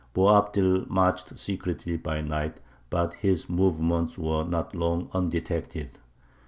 Boabdil marched secretly by night; but his movements were not long undetected.